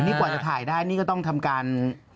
นี่กว่าจะถ่ายได้นี่ก็ต้องทำการ